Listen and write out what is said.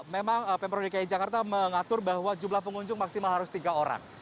memang pemprov dki jakarta mengatur bahwa jumlah pengunjung maksimal harus tiga orang